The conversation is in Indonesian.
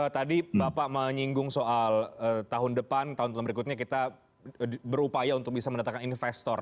tadi bapak menyinggung soal tahun depan tahun tahun berikutnya kita berupaya untuk bisa mendatangkan investor